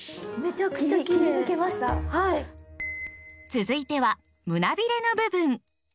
続いては胸ビレの部分。